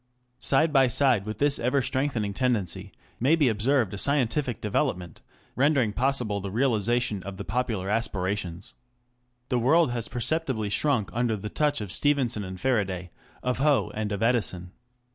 Side by side with this ever strengthening tendency may be observed a scientific development rendering possible the realization of the popular aspira tions. The world has perceptibly shrunk under the touch of Stephen ^ son and Faraday, of Hoe and of Edison.